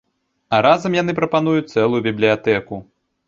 А разам яны прапануюць цэлую бібліятэку.